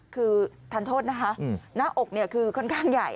คือทันโทษนะคะหน้าอกคือค่อนข้างใหญ่